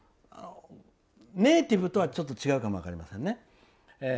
ネイティブとはちょっと違うかも分かりませんね。